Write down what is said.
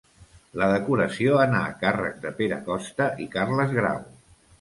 La decoració anà a càrrec de Pere Costa i Carles Grau.